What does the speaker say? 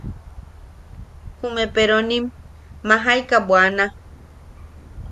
Jume peronim majaika bwana.